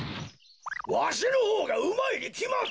わしのほうがうまいにきまっとる！